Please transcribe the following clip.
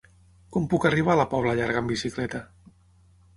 Com puc arribar a la Pobla Llarga amb bicicleta?